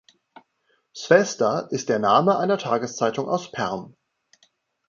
Swesda ist der Name einer Tageszeitung aus Perm.